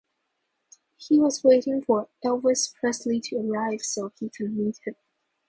He was waiting for Elvis Presley to arrive so he could meet him.